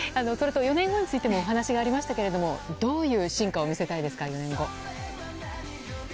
４年後についてもお話がありましたけど４年後どういう進化を見せたいですか？